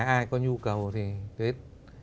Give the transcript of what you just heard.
ai có nhu cầu thì hết